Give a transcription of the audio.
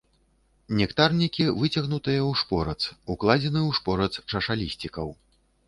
Нектарнікі выцягнутыя ў шпорац, укладзены ў шпорац чашалісцікаў.